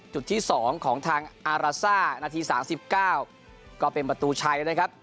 จุดที่๒ของทางอาราซ่านาที๓๙ก็เป็นประตูชัยนะครับ